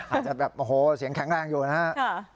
อาจจะแบบโอ้โหเสียงแข็งแรงอยู่นะครับ